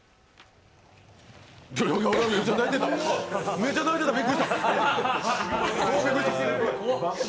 めっちゃ泣いてたびっくりした！